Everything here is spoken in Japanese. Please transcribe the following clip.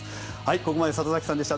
ここまで里崎さんでした。